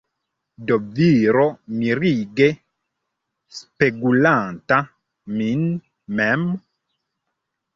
Do viro mirige spegulanta min mem.